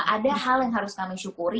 ada hal yang harus kami syukuri